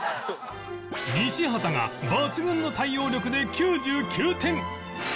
西畑が抜群の対応力で９９点